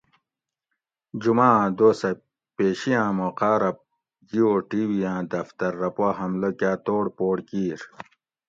جمعاۤں دوسہ پیشی آں موقاۤ رہ جیو ٹی وی آۤں دفتر رہ پا حملہ کاۤ توڑ پھوڑ کیر